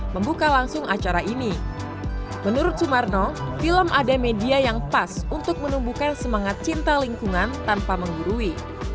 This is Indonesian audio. belum ada media yang pas untuk menumbuhkan semangat cinta lingkungan tanpa menggurui